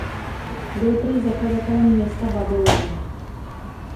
Byl prý zakladatelem města Babylónu.